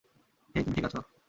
হেই, তুমি ঠিক আছো?